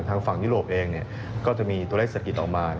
ทางฝั่งยุโรปเองก็จะมีตัวเลขสะกิดออกมา